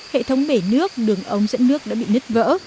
hệ thống bể nước đường ống dẫn nước đã bị nứt vỡ